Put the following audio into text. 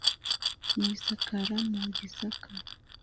N i sakara mu gisaka